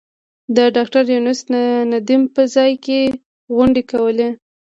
د ډاکټر یونس ندیم په ځای کې غونډې کولې.